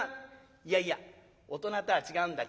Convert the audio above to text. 「いやいや大人とは違うんだ。